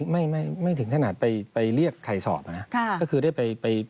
ไม่นะไม่ถึงท่านธนาฬรภ์ไปเรียกใครสอบนะ